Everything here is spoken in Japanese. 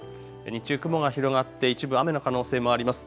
日中雲が広がって一部雨の可能性もあります。